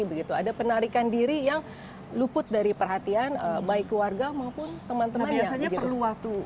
begitu ada penarikan diri yang luput dari perhatian baik warga maupun teman temannya waktu